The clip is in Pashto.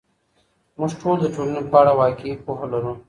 موږ ټول د ټولنې په اړه واقعي پوهه لرو.